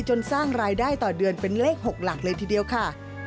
สร้างรายได้ต่อเดือนเป็นเลข๖หลักเลยทีเดียวค่ะ